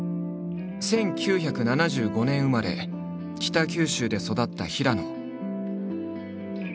１９７５年生まれ北九州で育った平野。